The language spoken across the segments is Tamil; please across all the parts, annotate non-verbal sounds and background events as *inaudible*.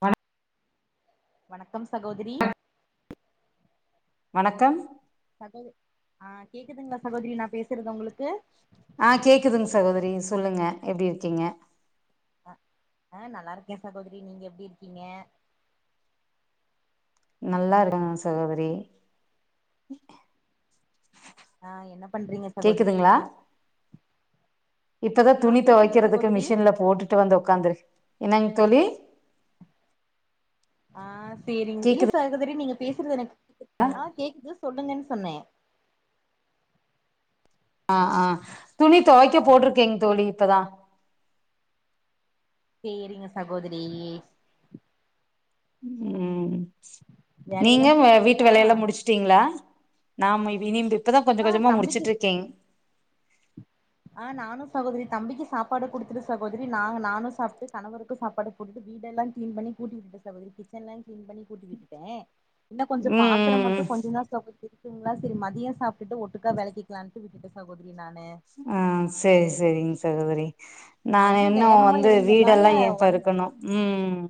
வ வணக்கம் சகோதரி வணக்கம் சகோதரி ஆ கேக்குதுங்களா சகோதரி நா பேசுறது உங்ளுக்கு ஆ கேக்குதுங் சகோதரி சொல்லுங்க எப்டி இருக்கீங்க அ நல்லா இருக்கே சகோதரி நீங்க எப்டி இருக்கீங்க நல்லா இருக்கங்க சகோதரி ஆ என்ன பண்றீங்க சகோதரி கேக்குதுங்களா இப்பதா ஆ துணி கேக்குது தொவைக்கிறதுக்கு சகோதரி மிஷின்ல போட்டுட்டு வந்து உக்காந்துருக் என்னங் தோழி ஆ சேரிங்க இல்ல கேக்குது சகோதரி நீங்க பேசுறது எனக் ஆ கேக்குது சொல்லுங்கன் சொன்னே ஆ ஆ துணி தொவைக்க போட்டுருக்கேங் தோழி இப்பதா சேரிங்க சகோதரி ம் நீங்க வேலையெல்லா வ வீட்டு முடிச்சுட்டீங்களா வேலையெல்லா முடிச்சுட்டீங்ளா நாமை வினிந்து இப்பதா கொஞ்ச ஆ கொஞ்சமா தம்பிக்கு முடிச்சிட்ருக்கேங் ஆ நானு சகோதரி தம்பிக்கு சாப்பாடு குடுத்துட்டு சகோதரி நாங்க நானு சாப்ட்டு கணவருக்கு சாப்பாடு போட்டுட்டு வீடெல்லாங் க்ளீன் பண்ணி கூட்டி வுட்டுட்ட சகோதரி கிச்சன்லாங் க்ளீன் பண்ணி கூட்டி விட்டுட்டே என்ன கொஞ்சோ ம் பாத்ர ம் ம் மட்டு கொஞ்சந் தா சகோதிரி ங்களா செரி மதியோ சாப்ட்டுட்டு ஒட்டுக்கா வெளக்கிக்லான்ட்டு விட்டுட்ட சகோதரி நானு ஆ சேரி சேரிங்க சகோதரி நா காலையில இன்னு நேரமா வந்து எழுந்தனால வீடெல்லா ஏப் ஒரே பெருக்கணு ம்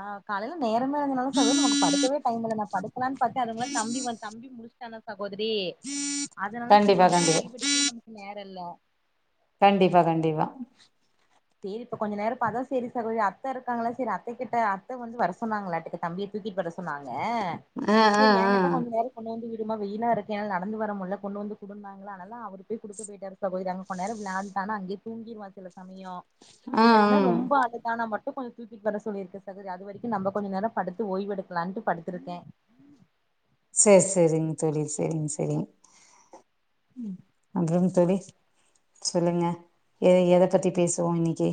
ஆ காலைல நேரம எழுந்தனால சகோரி நமக்கு படுக்கவே டைமில்ல ந க்லா பாத்த அதுங்களா தம்பி வன் தம்பி முளுஷ் *unintelligible* சகோதிரி அதனால சி கண்டிப்பா நமக்கு கண்டிப்பா ஓய்வெடுக்கே நமக்கு நே மில்ல கண்டிப்பா கண்டிப்பா சேரி இப்ப கொஞ்ச நேர பாதா சேரி சகோதரி அத்த இருக்காங்ள செரி அத்தகிட்ட அத்த வந்து வர சொன்னாங்களாட்டுக்கு தம்பிய தூக்கிட் வர சொன்னாங் அ ஆ ஆ சேரி ஆ என்கிட்ட கொஞ்ச நேரோ கொண்டு வந்து விட் சும்மா வெயிலா இருக்கென்னால நடந்து வர முட்ல கொண்டொந்து கொடுன்னாங்கலா அனால அவரு போய் குடுக்க போயிட்டாரு சகோதரி அங்க கொன் நேரோ விளாண்ட்டானா அங்கே தூங்கிருவா சில சமயோ ஆ இல்லட்னா ம் ரொம்ப அழுதானா மட் ட்டு கொஞ்சொ தூக்கிட் வர சொல்லீருகே சகோதரி அது வரைக்கு நம்ப கொஞ்ச நேரோ படுத்து ஓய்வெடுக்கலான்ட்டு படுத்திருக்கே சேர் சேரிங்க தோழி செரிங் செரிங் அப்றம் தோழி சொல்லுங்க எ எதை பத்தி பேசுவோ இன்னிக்கி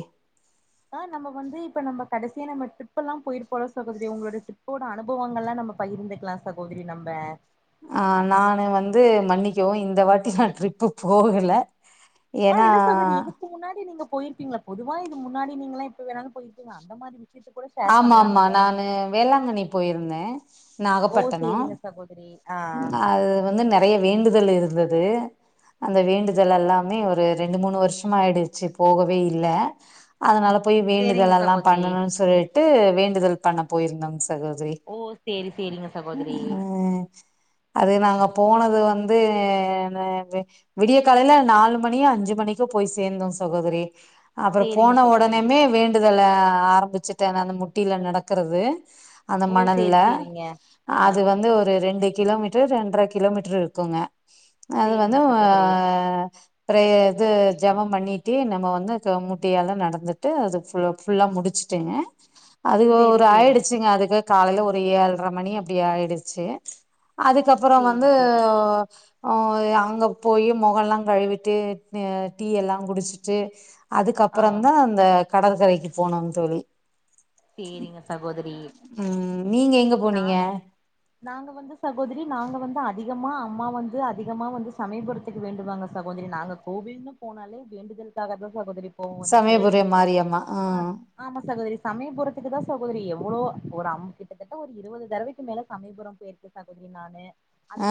அ நம்ம வந்து இப்ப நம்ம கடைசியா நம்ம ட்ருப்பெல்லா போயிருப்போல சகோதரி உங்களோட ட்ரிப்போட அனுபவங்கள்ல்லா நம்ம பயிர்ந்துக்லா சகோதரி நம்ப ஆ நானு வந்து மன்னிக்கவு இந்த வாட்டி நா ட்ரிப்பு போகல ஆ ஏன்னா என்ன சகோதரி இதுக்கு முன்னாடி நீங்க போயிருப்பீங்ளா பொதுவா இது முன்னாடி நீங்களா எப்ப வேணாலு போயிருப்பீங்க அந்த மாதிரி ஆமா ஆமா நானு வேளாங்கண்ணி போயிருந்தே ஓ நாகப்பட்டனோ சேரிங்க சகோதரி ஆ அது வந்து நெறைய வெ வேண்டுதல் இருந்தது அந்த வேண்டுதல் எல்லாமே ஒரு ரெண்டு மூணு வருஷமாயிடுச்சு போகவே இல்ல அதனால போய் சேரிங்க வேண்டுதல்லா சகோதரி பண்ணணும்னு சொல்லி ட்டு வேண்டுதல் பண்ண போயிருந்தோ ஸ் சகோதரி ஓ சேரி சேரிங்க சகோதரி உஹ்ம் அது நாங்க போனது வந்து *unintelligible* விடிய காலையில நாலு மணியு அஞ்சு மணிக்கு போய் சேர்ந்தோ சகோதரி அப்புற சேரிங்க போன சகோதரி ஒடனேுமே வேண்டுதல ஆரம்பிச்சுட் து அந்த முட்டியில நடக்கிறது அந்த ஓ மணல்ல சேரி சேரிங்க ஆ அது வந்து ஒரு ரெண்டு கிலோ மீட்டர் ரெண்டரை கிலோமீட்டர் இருக்குங்க அது வந்து சேரிங்க ஹ சகோதரி பிரேயர் இது ஜமம் பண்ணிட்டு நம்ம வந்து *unintelligible* முட்டையால நடந்துட்டு அது புல்லா முடிச்சுட்டுங்க அது சேரி ஒரு சேரி ஆயிடுச்சுங்க அதுக்கு காலையில ஒரு ஏழரை மணி அப்டி ஆயிடுச்சு அதுக்கப்புற சேரி வந்து சேரிங்க அங்க போய் மொகல்லா கழுவிட்டு டீ எல்லா குடிச்சிட்டு ஆ அதுக்கப்புற தா அந்த கடற்கரைக்கு போனோம் தோழி சேரிங்க சகோதரி ம் நீங்க எங்க நா போனீங்க நாங்க வந்து சகோதரி நாங்க வந்து அதிகமா அம்மா வந்து அதிகமாக வந்து சமயபுத்துக்கு வேண்டுவாங்க சகோதரி நாங்க கோவில்னு போனாலே வேண்டுதலுக்காக தா சகோதரி போவோ வந்துட்டு சமயபுரிய மாரியம்மா ஆஹ் சமபுறத்துக்கு தா சகோதரி எவ்ளோ ஒரு அம் கிட்டத்தட்ட ஒரு இருபது தடவைக்கு மேல சமயபுரம் போயிருக்கு சகோதரி நானு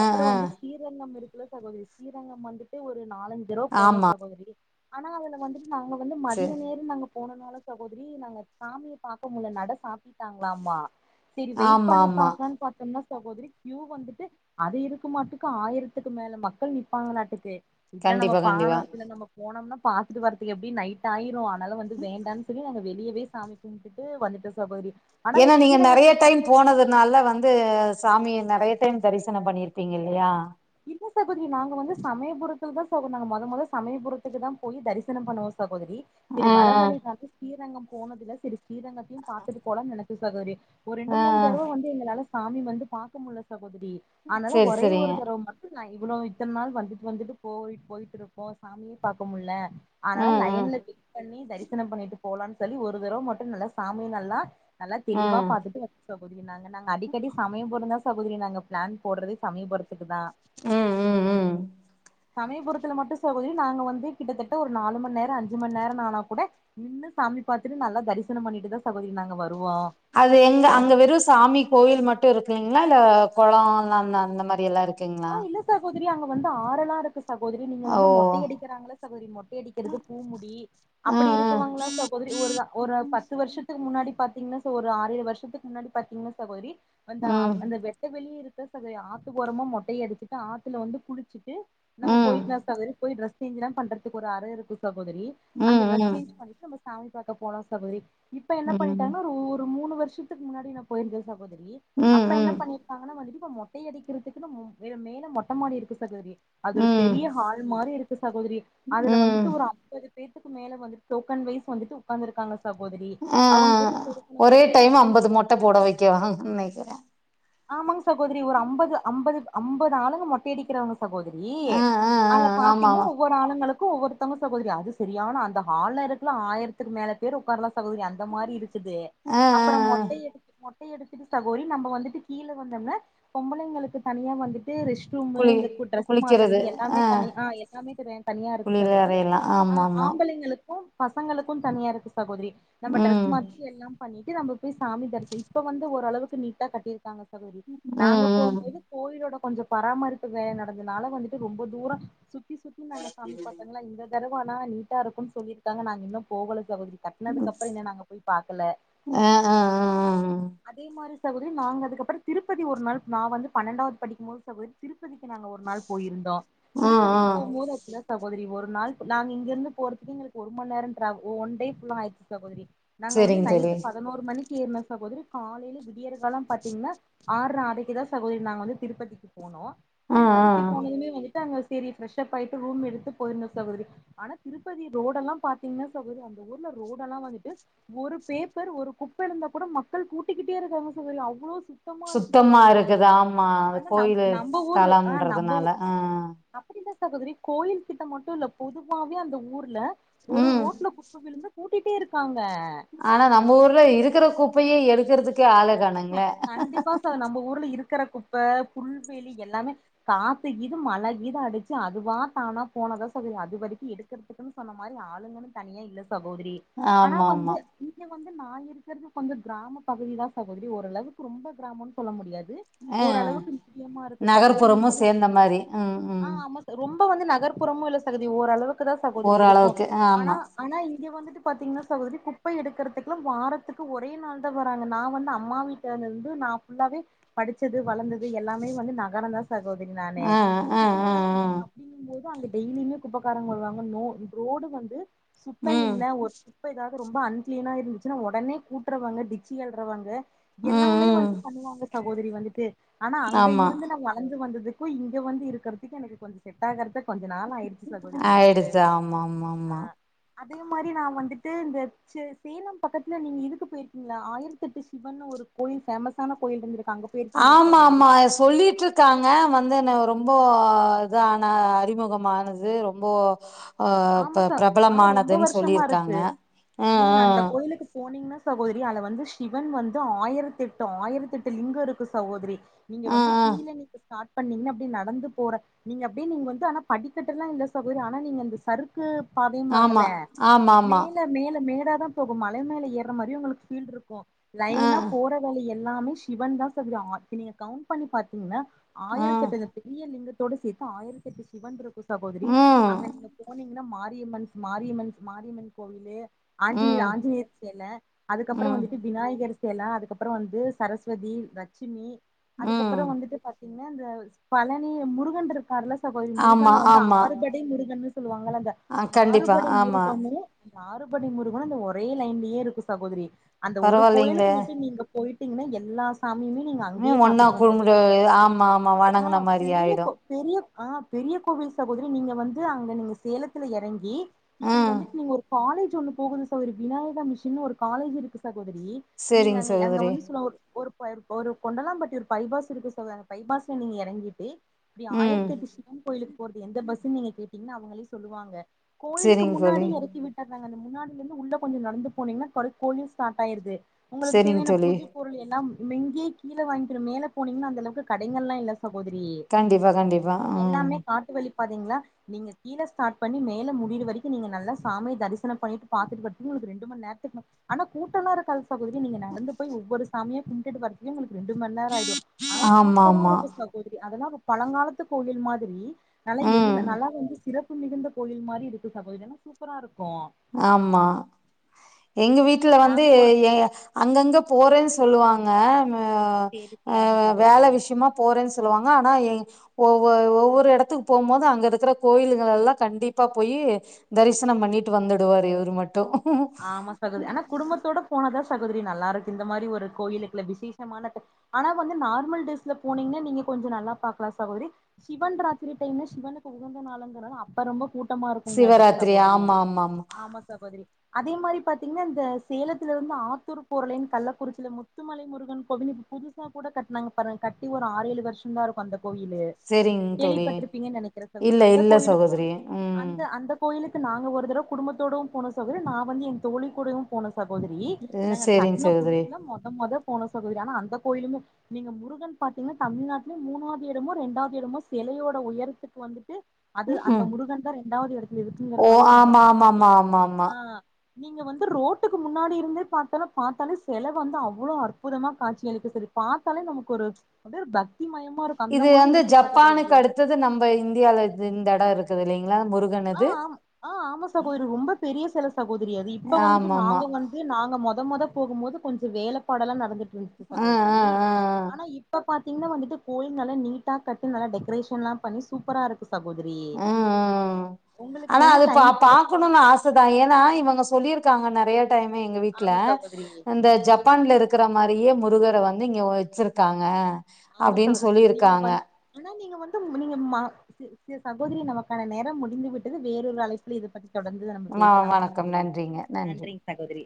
ஆ ஆ வந்து ‌‌‍ ஸ்ரீரங்கம் இருக்கு சகோதரி ஸ்ரீரங்கம் வந்துட்டு ஒரு நாலஞ்சு தடவ போனோ ஆமா சகோதரி ஆனா அதுல வந்துட்டு நாங்க வந்து சரி மதிய நேரம் நாங்க போன நாளா சகோதரி நாங்க சாமிய பாக்க முட்ல நட சாதிடாங்களாமா செரி வெயிட் ஆமா பண்ணி ஆமா பாக்கலான்னு பாத்தோம்னா சகோதரி கியூ வந்துட்டு அது இருக்குமாட்டுக்கு ஆயிரத்துக்கு மேல மக்கள் நி்ப்பாங்களாட்டுக்கு இதுலா நம்ம கண்டிப்பா கண்டிப்பா பானம் இதுல நம்ம போனோம்னா பாத்துட்டு வரதுக்கு எப்டி நைட் ஆயிரு அதனாலவந்து வேண்டாம்னு சொல்லி வெளியவே சாமி கும்புட்டுட்டு வந்துட்ட சகோதரி ஆனா ஏனா நீங்க நெறைய ஸ்ரீரங்கத்துல பா டைம் போனதுனால வந்து சாமிய நெறைய டைம் தரிசனம் பண்ணிருப்பீங்க இல்லியா இல்ல சகோதரி நாங்க வந்து சமயபுரத்தில் தா சகோ நாங்க மொத மொத சமயபுரத்துக்கு தா போய் தரிசனம் பண்ணுவோ சகோதரி செரி ஆ வர வழிதான ஸ்ரீரங்கம் போனதுல செரி ஸ்ரீரங்கத்தையு பாத்துட்டுபோலான் சகோத்ரி ஒ ரெண்டு ஆ ஆ மூணு தடவ வந்து எங்களால சாமி வந்து பாக்க முட்ல சகோ அப்டி ஆனால சரி ஒரே ஒரு சரிங்க தரவ மட் நா இவ்ளோ இத்தன் நாள் வந்துட் வந்துட்டு போயிட் போயிட் இருக்போ சாமியே பாக்க முல்ல அதனால ம் ம் லயன்ல பிக் பண்ணி தரிஸ் ச்சனா பண்ணிட்டு போலான் சொல்லி ஒரு தரவ மட்டு நல்லா சாமியு நல்லா நல்லா தெளிவா ம் பாத்துட்டு வந் சகோதரி நாங்க நாங்க அடிக்கடி சமயபுரம் தா சகோதரி நாங்க பிளான் போட்றதே சமயபுறத்துக்கு தா ம் ம் ம் சமயபுரத்துல மட்டு சகோதரி நாங்க வந்து கிட்டத்தட்ட ஒரு நாலு மண் நேர அஞ்சு மண் நேரன் ஆனா கூட நின்னு சாமி பாத்துட்டு நல்லா தரிசனம் பண்ணிட்டு தா சகோதரி நாங்க வரு அது எங்க அங்க வெறு சாமி கோயில் மட் ட்டு இருக்குங்ளா இல்ல கொளோ அந்தந்த அந்த மாரி எல்லா இருக் க்கிங்ளா திரி அங்க வந்து ஆறெல்லா இருக்கு ஸ் சகோதரி நீங்க ஓ வந்து மொட்டை அடிக்கிறாங்க இல்ல சகோதரி மொட்டை அடிக்கிறது பூ முடி ஆ அப்படி ஆ இருக்குவங்கள சகோதரி ஒரு ர ஒரு பத்து வருஷத்துக்கு முன்னாடி பாத்திங்னா சோ ஒரு ஆரேழு வர்ஷத்துக் முன்னாடி பாத்திங்னா சகோதரி வந்தா அவ் அந்த ம் வெட்ட வெளி இருக் த சகோதரி ஆத்துக் ஒரமா மொட் ட்டை அடிச்சிட்டு ஆத்துல வந்து குளிச்சிட்டு ம் நம்ம போயிக்லா சகோதரி போய் ட்ரெஸ் சேஞ்லா பண்றதுக்கு ஒரு அற இருக்கு ச கோதரி அங்க ம் டிரெஸ் ம் சேஞ் பண்ணிட்டு நாம்ம சாமி பாக்க போலா சகோதரி இப்ப என்ன ம் பண்ணிட்டாங்னா ஒரு மூணு வருஷத்துக் முன்னாடி நா போயிந்தே சகோதரி ம் அப்ப என்ன ம் பண்ணிருக்காங்னா வந்துட்டு இப்ப மொட்டை அடிக்கிறதுக்குன்னு *unintelligible* மேல மொட்ட மாடி இருக்கு சகோதரி அது ஒரு ம் பெரிய ஹால் மாரி இருக்கு சகோதரி அதுல வந்துட்டு ம் ஒரு அம்பது பேத்துக்கு மேல வந்து டோக்கன் வைஸ் வந்துட்டு உக்காந்துருக்காங்க ஆ ஆ ஒரே குடுத்து டைம் மொட்டை அம்பது அடிச்சுட்டு மொட்ட போட வைக்கவாங்கன் நெனைக்கிறே ஆமாங்க சகோதரி ஒரு அம்பது அம்பது அம்பது ஆளுங்க மொட்டையடிக்கிறவங்க சகோதரி ஆ ஆ ஆ அதுல ஆமா பாத்தீங்னா ஆமா ஒவ்வொரு ஆளுங்களுக் கு ஒவ்வொருத்தங்க சகோதரி அது செரியான அந்த ஹால்ல இருக்கல ஆயிரத்துக்கு மேல பேர் உக்கார்லா அந்த மாரி இருக்குது ஆ ஆ அப்புறோ ஆ மொட்டை எடு மொட் எடுத்துட்டு சகோரி நம்ம வந்துட்டு கீழே வந்தோம்ன பொம்பளைங்களுக்கு தனி ஏ வந்துட் ட்டு ரெஸ்ட்ரூமு குளி இந்த கு ட்ரெஸ் மாத்துறது குளிக்கிறது எல்லாமே ஆ தனி ஆஹ் எல்லாமே அஹ் தனியா இருக்கு குளியல் சகோதரி அறையெல்லா ஆமா அஹ் ஆமா ஆம்பளைங்களுக்கு பசங்களுக்கு தனியா இருக்கு சகோதரி நம்ம டிரெஸ் ம் மாத்திர எல்லா பண்ணிட்டு நம்ம போய் சாமி தரிசன இப்ப வந்து ஓளவுக்கு நீட்டா கட்டிருக் *unintelligible* சகோதரி நாங்க ம் போம்போது யோட கொஞ்ச பராமரிப்பு வேல நடந்ததுனால வந்துட்டு ரொம்ப தூர சுத்தி நாங்க சாமி பார்த்தீங்களா இந்த தருவானா நீட்டா இருக்கும்ன்னு சொல்லியிருக்காங்க நாங்க இன்னு போகல சகோதரி ம் கட்னதுக்கு அப்பற என்ன நாங்க போய் பாக்கல ஆ ஆ ஆ அதே மாரி சகோதரி நாங்கள் அதுக்கப்பற திருப்பதி ஒரு நாள் நா வந்து பன்னெண்டாவது படிக்கும்போது சகோதரி திருப்பதிக்கு நாங்கள் ஒரு நாள் போயிருந்தோ ஆ ஆ திருப்பதிக்கு போகும்போது அப்டிதா சகோதரி வரு நாள் நாங்க இங்கிருந்து போறதுக்கு எங்களுக்கு ஒரு மண் நேர ஒன் டே புல்லா ஆயடுச்சு சகோதரி நாங்க வந்து செரிங்க தோழி நைட்டு பதினோரு மணிக் கீர்ன சகோதிரிப் காலயில விடியறு கால பாத்தீங்கன்னா ஆறு ஆடைக்கு தா சகோதரி நாங்க வந்து திருப்பதிக்கு போனோ ஆ ஆ ஆ. திருப்பதிக்கு போனதுமே வந்துட்டு அங்க ஸ் சரி ரூம் எடுத்து போயிருந்தோ சரி ஆனா திருப்பதி ரோடல்லா பாத்திங்கன்னா சகோதரி அந்த ஊர்ல்லா வந்துட்டு ஒரு பேப்பர் ஒரு குப்பை இருந்த கூட ம மக்கள் கூட்டிக்கிட்டே இருக்காங்க அவ்ளோ இருக்கு சுத்தமா சகோதரி இருக்குது ஆமா ஆனா நம் கோயிலு நம்ம ஊர் ஆ நம்ம ஸ்தலம்ன்றதுனால ஆஹ் அப்படிதா சகோதரி கோயில் கிட்ட மட்டு இல்ல பொதுவாவே அந்த ஊர்ல ஒரு ம் ரோட்ல குப்ப இல்ல கூட்டிட்டே இருக்காங்க ஆனா நம்ம ஊர்ல இருக்கிற குப்பையே எடு க்குறதுக் ம கண்டிப்பா சார் நம்ம ஊர்ல இருக்கிற குப் ப்ப புல்வெளி எல்லாமே காத்து கீதும் மழ கீதம் அடிச்சு அதுவா தானா போனதா சகோதரி அது வரைக்கு எடுக்கிறதுக்குன்னு சொன்ன மாதிரி ஆளுங்களு தனியா இல்ல சகோதரி ஆனா ஆமா வந்து ஆமா இங்க வந்து நான் இருக்கிறது கொஞ்ச கிராம பகுதி தா சா சகோதரி ஓரளவுக்கு ரொம்ப கிராமம்னு சொல்ல முடியாது ஆ ஓரளவுக்கு நிக்கயமா இருக்கு சகோதரி நகர்ப்புறமும் சேர்ந்த மாரி ம் ம் ஆ ஆமா ரொம்ப வந்து நகர்ப்புறமு இல்ல *unintelligible* தி ஓரளவுக் தா சகோதரி இருக்கு ஓரளவுக்கு ஆனா ஆமா ஆனா இ இங்க வந்துட்டு பாத்தீங்கன்னா சகோதரி குப்ப எடுக்கிறதுக்கெல்லா வாரத்துக்கு ஒரே நாள் தா வராங்க நா வந்து அம்மா வீட்ல இருந்து நா புல்லாவே படிச்சது வளர்ந்தது எல்லாமே வந்து நகரம் தா சகோதரி நானு ஆ ஆ ஆ ஆ அங்க டெய்லியுமே குப்பக்காரங்க வருவாங்க நோ ரோடு வந்து சுத்தோ ம் இல்ல ஒரு குப்ப எதா ரொம்ப அன்கிளீனா இருந்துச்சுன்னா ஒடனே கூட்டுறவங்க டிச்சி அல்றவாங்க ம் எல்லாமே ம் வந்து பண்ணுவாங்க சகோதரி வந்துட்டு ஆனா அங்க ஆமா இருந்து நா வளர்ந்து வந்தது இருக்கு இங்கே வந்து இருக்கிறதுக்கு எனக்கு கொஞ்சோ செட் ஆகறத கொஞ்சோ நாள் ஆயிடுச்சு சகோதரி எனக்கு ஆயிடுது ஆமா ஆமா ஆமா ஆஹ் அதே மாரி நா வந்துட்டு இந்த சே சேலம் பக்கத்துல நீங்க இதுக்கு போயிருக்கீங்களா ஆயிரத்த எட்டு சிவன்னு ஒரு கோயில் ஃபேமசான கோயில் இருந்து ஆமா ஆமா சொல்லிட்டு இருக்காங்க வந்து ரொம்ப இதான அறிமுகமானது ரொம்ப ஆமா ச ஆ ரொம்ப பிரபலமானதுன்னு வருஷமா சொல்லியிருக்காங்க இருக்கு நீங்க அந்த ஆஹ் கோயிலுக்கு போனீங்கன்னா சகோதரி அது வந்து சிவன் வந்து ஆயிரத்தி எட்டு ஆயிரத்தி எட்டு லிங்கம் இருக்கு சகோதரி நீங்க ஆ வந்து ஆ கீழே நீங்க பாத் நீங்க அப்டி நடந்து போற நீங்க அப்டி நீங்க வந்து ஆனா படிக்கெட்டெல்லா இல்ல சகோதரி ஆனா நீங்க சருக்கு ஆமா பாதமாங்கள ஆமா ஆமா மேல மேல மேல மேடாதா போகு மலை மேல ஏற மாரி உங்களுக்கு பீல் இருக்கு ஆ லைனா போற வழி எல்லாமே சிவன் தா சகோதரி நீங்க கவுண்ட் பண்ணி பாத்தீங்கன்னா ஆ ஆயிரத்த பெரிய லிங்க இதோட சேத்து ஆயிரத்தெட்டு சிவன் இருக்கு சகோதரி அங்க ம் நீங்க போனீங்ன்னா மாரியம்மன்ஸ் மாரியம்மன்ஸ் மாரியம்மன் கோவில்லு ம் ஆஞ்சநேயர் ஆஞ்சநேயர் செல அதுக்கப்பற ம் வந்துட்டு விநாயகர் சில அதுக்கப்பற வந்து சரஸ்வதி லட்சுமி அதுக்கப்பற ம் வந்துட்டு பாத்தீ ங்க அந்த பழனி முருகன்ற வரல சகோதரி ஆமா முருகன்ல வந்து ஆமா ஆறுபடை முருகன்னு சொல்லுவங் ஆ கண்டிப்பா ஆறுபடை ஆமா முருகனு ஆறுபடை முருகோ இந்த ஒரே லைன்லேயே இருக்கு சகோதரி அந்த ஒரு பரவாயில்லைங்களே கோயிலுக்கு மட்டு நீங்க போயிட் திங்னா எல்லா சா ம் ஒன்னா குடும்புடு ஆமா ஆமா ஆ வணங்குன மாரி பெரிய ஆயிடு கோ பெரிய ஆ பெரிய கோவில் சகோதரி நீங்க வந்து அங்க நீங்க சேலத்துல எறங்கி இப்புடி ம் வந்துட்டு நீங்க ஒரு காலேஜ் த்தி ஒன்னு போகுது சகோதரி விநாயக மிஷின்னு ஒரு காலேஜ் இருக்கு சக் கோதரி நீங்க சரிங்க அங்க அங்க சகோதரி வந்து சொல்வாங்க ஒரு பயர் ஒரு கொண்டலாம் பட்டி ஒரு பைபாஸ் இருக்கு சொல்றாங்க பைபாஸ்ல நீங்க இறங்கீட்டு அப்புடி ம் ஆயிரத்தி எட்டு சிவன் கோயிலுக்கு போறது எந்த பஸ்சு நீங்க கேட்டீங்ன்னா அவங்களே சொல்லுவாங்க கோயிலுக்கு சரிங்க முன்னாடி தோழி எறக்கி விட்டுர்றாங்க அந்த முன்னாடி இருந்து உள்ளே கொஞ்சோ நடந்து போனீங்ன்னா கறிகோழி ஸ்டாட் ஆயிருது உங்களுக்கு சரிங்க தேவையான தோழி பூஜை பொருள் எல்லா இங்கேயே கீழே வாங்கிக்கிறு மேல போனிங்ன்னா அந்த அளவுக்கு கடைங்கள இல்ல சகோதரி கண்டிப்பா கண்டிப்பா ம் எல்லாமே காட்டு வழி பாதைங்களா நீங்க இனஸ் ஸ்டட்பண்ணி மேல முடியர வரைக்கு நீங்க நல்ல சாமியே தரிசன பண்ணிட்டு பாத்துட்டு வரதுக்கு உங்களுக்கு ரெண்டு மண் நேரத்துக்கு மட்டு ஆனா கூட்டல இருக்காது பத்தாகுறைக்கு நீங்க நடந்து போய் ஒவ்வொரு சாமியா இந்துட்டு வரதுக்கே ரெண்டு மண் நேர ஆயிரு ஆனா ஆமா சூப்பரா ஆமா இருக்கு சகோதரி அதெல்லா பழங்காலத்து கோவில் மாதிரி நல்லா ம் எழில நல்லா வந்து சிறப் மிகுந்த கோயில் மாரி இருக்கு சகோதரி ஏனா சூப்பரா இருக் ஆமா எங்க வீட்ல வந்து நாங்க போற ஏ அங்கங்க போறேஸ் சொல்லுவாங்க மே ஆ சேரி சேரிங்க ஆ வேல சகோதரி விஷ்யமா போறேனு சொல்லுவாங்க ஆனா எ ஒவ்வொ ஒவ்வொரு எடத்துக்கு போவும்போது அங்க இருக்கிற கோயிலுகள எல்லா கண்டிப்பா போய் தரிசனம் பண்ணிட்டு வந்துடுவாரு இவரு மட்டு சகோதிரி ஆனா குடும்பத்தோட போன அதா சகோதரி நல்லா இருக்கு இந்த மாரி ஒரு கோயிலுக்குள்ள விசேஷமான ட ஆனா வந்து நார்மல் டேஸ்ல போனீங்க நீங்க கொஞ்சோ நல்லா பாக்கலா சகோதிரி சிவன் ராத்திரி டைம்ல சிவனுக்கு உகந்த நாளுங்கறது அப்ப ரொம்ப கூட் ட்டமாருக்குங்ளாட்டுகு சிவராத்திரி சகோதரி ஆமா ஆமா ஆமா சகோதரி அதே மாரி பாத்தீங்கனா இந்த சேலத்துலருந்து ஆத்தூர் போற லைன் கள்ளக்குறிச்சியில முத்துமலை முருகன் கோவில்னு இப்ப புதுசா கூட கட்னாங்க பாருங்க கட்டி ஒரு ஆறு ஏழு வருஷ் தா இருக்கு அந்த கோயிலு செரிங் தோழி கேள்விப்பட்டிருப்பீங்கனு நெனக்கிறே சகோதிரி இல்ல அந்த இல்ல கோயிலுக்கு சகோதரி ம் அந்த அந்த கோயிலுக் கு நாங்க ஒரு தடவ குடும்பத்தோடவு போனோ சகோதிரி நா வந்து என் தோழி கூடவு போனே சகோதரி நாங்க செரிங் கட்ன சகோதரி புதுல மொத மொத போனோ சகோதிரி ஆனா அந் த கோயிலுமே நீங்க முருகன் பாத்தீங்கனா தமிழ்நாட்ல மூணாவது எடமோ ரெண்டாவது எடமோ செலயோட உயரத்துக்கு வந்துட்டு அது அந்த ம் முருகன் தா ரெண்டாவது எடத்துல இருக்குங்கிற ஓ மாரி சொன்னாங்க ஆமா ஆமா ஆமா ஆமா ஆமா ஆஹ் நீங்க வந்து ரோட்டுக்கு முன்னாடி இருந்து பாத்தாலு பாத்தாலே செல வந்து அவ்ளோ அற்புதமா காட்சியளிக்கு செரி பாத்தாலே நமக்கு ஒரு அப்டியே ஒரு பக் இது வந்து ஜப்பானுக்கு அடுத்தது நம்ம இந்தியால இது இந்த எடோ குதிலிங் ஆஹ் ஆம் ஆஹ் ஆமா சகோதரி ரொம்ப பெரிய செல சகோதரி அது இப்ப வந்துட்டு ஆமாமா நாங்க வந்து நாங்க மொத மொத போகு போது கொஞ்சோ வேலப்பாடெல்லா நடந்துட் ருக்கு ஆ ஆ சகோதிரி ஆ ஆனா இப்பப் பாத்தீங்கனா வந்துட்டு கோயில் நல்ல நீட்டா கட்டி நல்லா டெக்ரேஷன்லா பண்ணி சூப்பரா இருக்கு சகோதரி உம் உம் உம் உங்களுக்கு ஆனா வேணா அது பா டைம் கெடச்சதுன்னா பாக்கணு ஆச தா ஏன்னா இவுங்க சொல்லி இருக்காங்க நெறையா டைம் எங்க வீட்ல ஆமா சகோதரி இந்த ஜப்பான்ல இருக்கிற மா ரியே முருகர வந்து இங்கே வெச்சிருக்காங்க ஆமா சகோ நீங்க வந்து ஆனா நீங்க வந்து நீங்க மா சே சேரி சகோதரி நமக்கான நேரம் முடிந்து விட்டது வேறொரு அழைப்புல இத பத்தி தொடர்ந்து நம்ம ஆ பேசலா வணக்கம் சகோதரி நன்றிங்க நன்றி நன்றிங்க சகோதரி